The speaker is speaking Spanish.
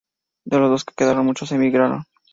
De los que quedaron muchos emigraron.